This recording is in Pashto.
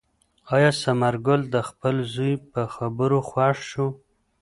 آیا ثمر ګل د خپل زوی په خبرو خوښ شو؟